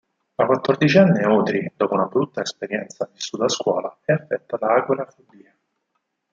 La quattordicenne Audrey, dopo una brutta esperienza vissuta a scuola, è affetta da agorafobia.